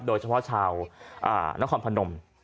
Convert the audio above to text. โดยเฉพาะชาวนครพนม